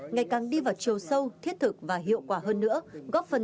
ngày càng đi vào trường sở